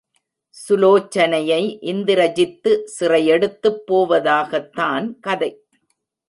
சுலோசனையை Indrajit சிறையெடுத்துப் போவதாகத்தான் கதை.